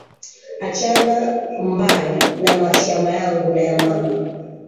Achana mbari na mashamba yangu na ya mama